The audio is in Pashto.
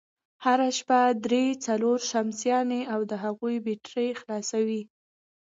هره شپه درې، څلور شمسيانې او د هغوی بېټرۍ خلاصوي،